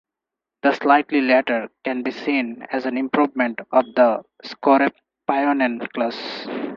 The slightly later can be seen as an improvement of the "Skorpionen" class.